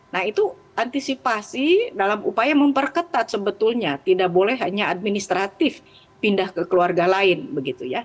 nah itu antisipasi dalam upaya memperketat sebetulnya tidak boleh hanya administratif pindah ke keluarga lain begitu ya